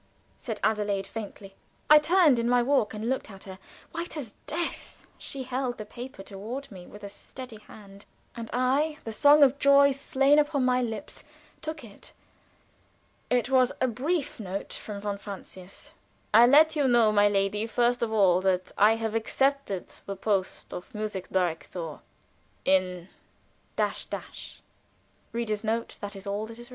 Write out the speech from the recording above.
said Adelaide, faintly. I turned in my walk and looked at her. White as death, she held the paper toward me with a steady hand, and I, the song of joy slain upon my lips, took it. It was a brief note from von Francius. "I let you know, my lady, first of all that I have accepted the post of Musik Direktor in